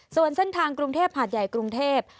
ส่วนเส้นทางกรุงเทพหาดใหญ่กรุงเทพ